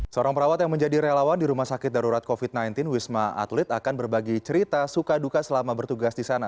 seorang perawat yang menjadi relawan di rumah sakit darurat covid sembilan belas wisma atlet akan berbagi cerita suka duka selama bertugas di sana